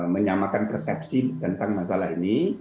menyamakan persepsi tentang masalah ini